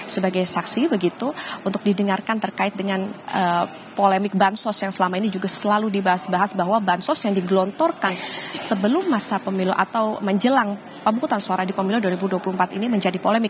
sebagai saksi begitu untuk didengarkan terkait dengan polemik bansos yang selama ini juga selalu dibahas bahas bahwa bansos yang digelontorkan sebelum masa pemilu atau menjelang pemungutan suara di pemilu dua ribu dua puluh empat ini menjadi polemik